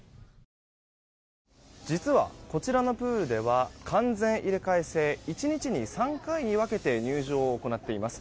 実はこちらのプールでは完全入れ替え制１日に３回に分けて入場を行っています。